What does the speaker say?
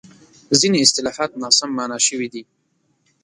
ځینې اصطلاحات ناسم مانا شوي دي.